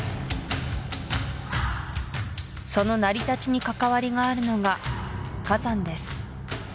その成り立ちに関わりがあるのが火山です